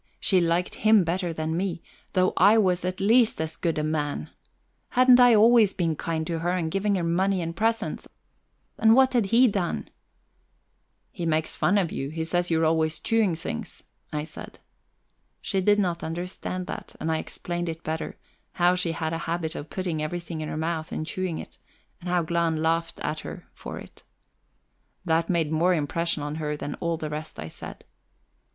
She liked him better than me, though I was at least as good a man! Hadn't I always been kind to her, and given her money and presents? And what had he done? "He makes fun of you; he says you're always chewing things," I said. She did not understand that, and I explained it better; how she had a habit of putting everything in her mouth and chewing it, and how Glahn laughed at her for it. That made more impression on her than all the rest I said.